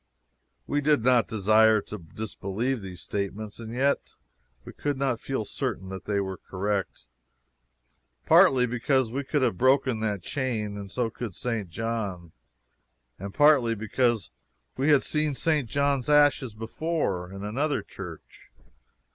We did not desire to disbelieve these statements, and yet we could not feel certain that they were correct partly because we could have broken that chain, and so could St. John, and partly because we had seen St. John's ashes before, in another church.